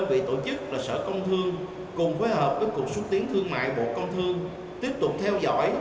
hội trợ công thương cùng phối hợp với cục xuất tiến thương mại bộ công thương tiếp tục theo dõi